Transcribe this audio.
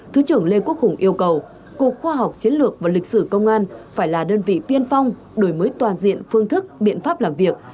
thứ trưởng lê quốc hùng yêu cầu cục khoa học chiến lược và lịch sử công an phải là đơn vị tiên phong đổi mới toàn diện phương thức biện pháp làm việc